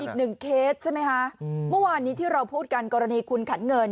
เคสใช่ไหมคะเมื่อวานนี้ที่เราพูดกันกรณีคุณขันเงิน